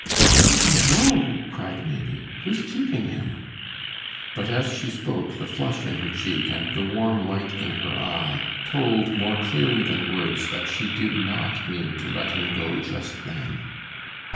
"Let him go!" cried Maimie, "who's keeping him?" But as she spoke the flush in her cheek and the warm light in her eye told more clearly than words that she did not mean to let him go just then.